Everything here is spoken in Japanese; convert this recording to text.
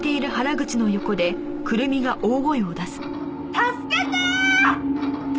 助けてー！